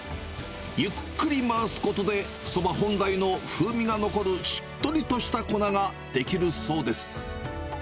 ゆっくり回すことで、そば本来の風味が残るしっとりとした粉が出来るそうです。